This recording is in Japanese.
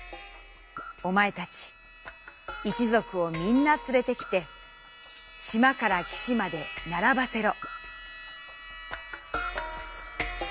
おまえたち一ぞくをみんなつれてきて島からきしまでならばせろ」。